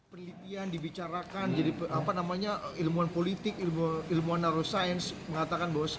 pelitian dibicarakan jadi apa namanya ilmuwan politik ilmuwan neuroscience mengatakan bahwa